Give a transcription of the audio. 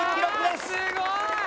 すごい！